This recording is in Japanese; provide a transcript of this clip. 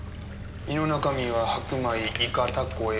胃の中身は白米イカタコエビ。